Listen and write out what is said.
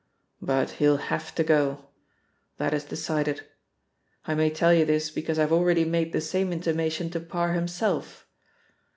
But he'll have to go. That is decided. I may tell you this, because I have already made the same intimation to Parr himself.